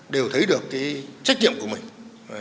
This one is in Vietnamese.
đều thấy được cái trách nhiệm của chúng ta